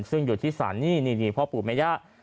ซึ่งอยู่ที่ศาลนี่พ่อปู่แม่ย่า